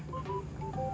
bila suatu hari nanti